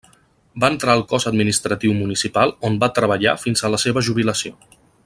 Va entrar al cos administratiu municipal on va treballar fins a la seva jubilació.